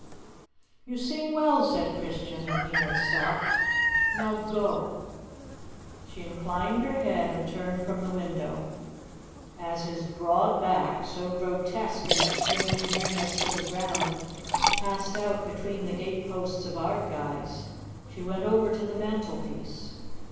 "You sing well," said Christian when he had stopped; "now go." She inclined her head and turned from the window. As his broad back, so grotesque in its strange nearness to the ground, passed out between the gate posts of Ardguys, she went over to the mantelpiece.